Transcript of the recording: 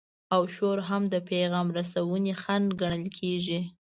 او شور هم د پیغام رسونې خنډ ګڼل کیږي.